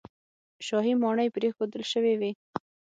شاهي ماڼۍ پرېښودل شوې وې.